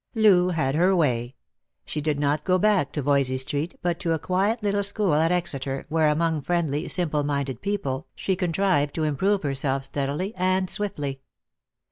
Loo had her way. She did not go back to Voysey street, but to a quiet little school at Exeter, where among friendly, simple minded people, she contrived to improve herself steadily and swiftly.